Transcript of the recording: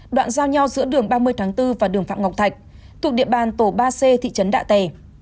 đoạn giao nhau giữa đường ba mươi tháng bốn và đường phạm ngọc thạch thuộc địa bàn tổ ba c thị trấn đạ tẻ